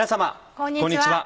こんにちは。